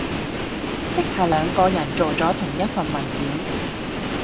即係兩個人做咗同一份文件？